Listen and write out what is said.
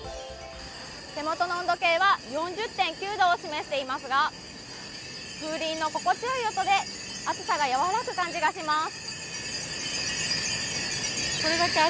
手元の温度計は４０．９度を示していますが風鈴の心地いい音で暑さが和らぐ感じがします。